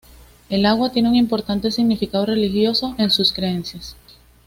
El agua tiene un importante significado religioso en sus creencias.